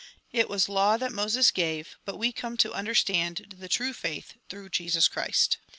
It was law that Moses gave, but we come to under stand tlie true faith through Jesus Christ.